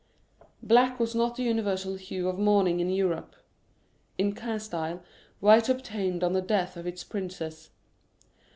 Black was not the universal hue of mourning in Europe. In Castile white obtained on the death of its princes.